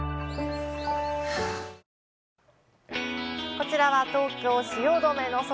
こちらは東京・汐留の空。